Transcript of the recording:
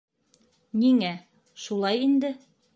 Ниңә: шулай инде!